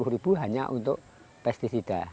sepuluh ribu hanya untuk pesticida